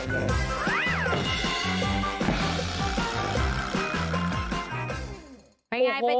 สมัครข่าวเด็ก